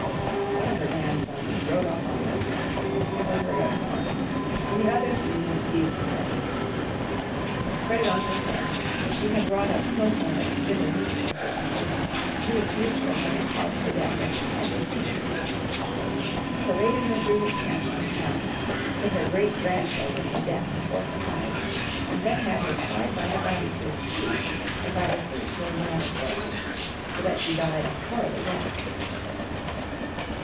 One of her grandsons rode off on horseback and was never heard of more, and the other three were seized with her. Frede gond was dead, but she had brought up Clilotar in bitter hatred of Brunhild, and he accused her of having caused the death of ten kings. He paraded her tlirough liis camp on a camel, put her great grand cliildren to death before her eyes, and then had her tied by the body to a tree and by the feet to a wild horse, so that she died a horrible death.